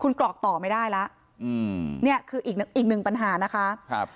คุณกรอกต่อไม่ได้แล้วอืมเนี่ยคืออีกหนึ่งอีกหนึ่งปัญหานะคะครับ